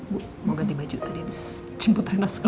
bu mau ganti baju tadi habis jemput rena sekolah